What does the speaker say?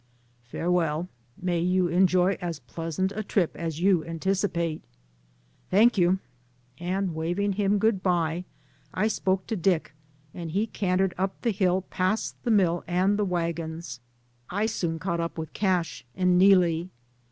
"Farewell, may you enjoy as pleasant a trip as you anticipate." "Thank you," and waving him good bye, DAYS ON THE ROAD. 13 I Spoke to Dick, and he cantered up the hill past the mill and the wagons. I soon caught up with Cash and Neelie.